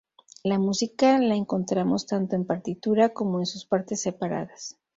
La música la encontramos tanto en partitura como en partes separadas.